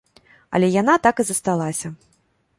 Але яна так і засталася.